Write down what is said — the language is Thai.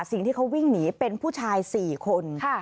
สิ่งที่เขาวิ่งหนีเป็นผู้ชาย๔คน